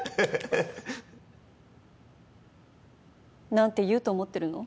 なんて言うと思ってるの？